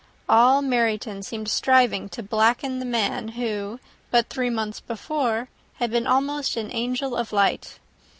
All Meryton seemed striving to blacken the man who, but three months before, had been almost an angel of light.